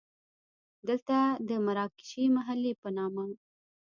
دلته د مراکشي محلې په نامه.